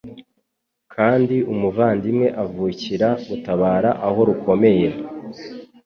kandi umuvandimwe avukira gutabara aho rukomeye